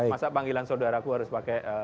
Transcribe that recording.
masa panggilan saudaraku harus pakai